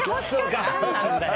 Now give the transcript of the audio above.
何なんだよ。